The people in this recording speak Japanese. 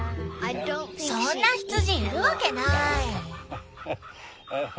そんな羊いるわけない！